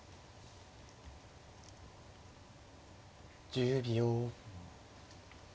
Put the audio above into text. １０秒。